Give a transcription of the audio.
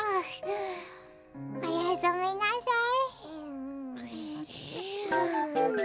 おやすみなさい。